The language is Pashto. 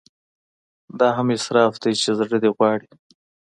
دا هم اسراف دی چې زړه دې غواړي.